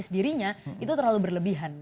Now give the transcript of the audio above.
karena itu terlalu berlebihan